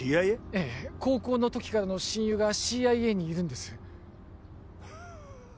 ええ高校の時からの親友がＣＩＡにいるんです